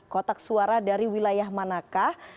kotak suara dari wilayah manakah